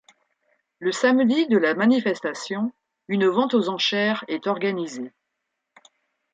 Le samedi de la manifestation, une vente aux enchères est organisée.